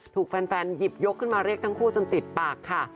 ถูกแฟนหยิบยกขึ้นมาเรียกทั้งคู่จนติดปากค่ะ